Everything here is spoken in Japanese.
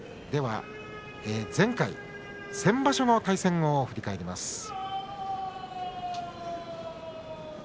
では前回、先場所の対戦を振り返ります。